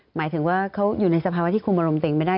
หมายถึงว่าเขาอยู่ในภาวะที่คุมรมเต็มไม่ได้